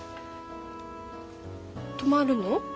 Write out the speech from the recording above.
泊まるの？